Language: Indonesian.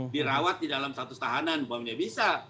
dirawat di dalam status tahanan bomnya bisa